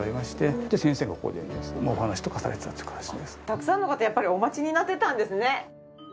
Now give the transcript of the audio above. たくさんの方がやっぱりお待ちになっていたんですね。